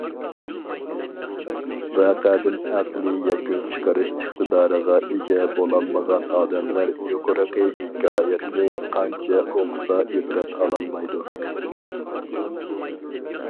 ۋەقەدىن ئەقلىي يەكۈن چىقىرىش ئىقتىدارىغا ئىگە بولالمىغان ئادەملەر يۇقىرىقى ھېكايەتنى قانچە ئوقۇسا ئىبرەت ئالالمايدۇ.